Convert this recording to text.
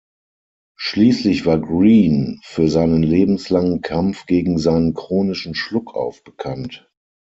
Schließlich war Green für seinen lebenslangen Kampf gegen seinen chronischen Schluckauf bekannt.